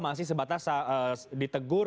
masih sebatas ditegur